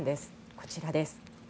こちらです。